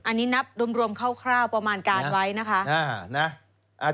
อันนี้นับรวมคร่าวประมาณการไว้นะคะ